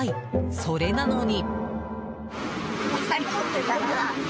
それなのに。